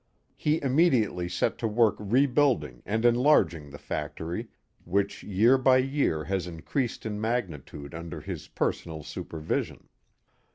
He imme diately set to work rebuilding and enlarging the factory, which year by year has increased in magnitude under his personal supervision.